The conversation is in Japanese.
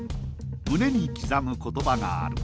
胸に刻む言葉がある。